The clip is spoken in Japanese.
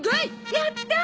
やったあ！